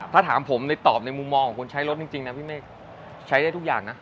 ถ้าถามผมในตอบในมุมมองของคนใช้รถจริงนะพี่เมฆใช้ได้ทุกอย่างนะ